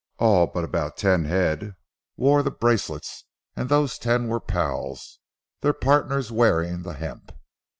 All but about ten head wore the bracelets, and those ten were pals, their pardners wearing the hemp.